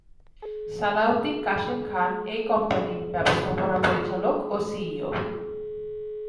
সালাউদ্দিন কাশেম খান এই কোম্পানির ব্যবস্থাপনা পরিচালক ও সিইও।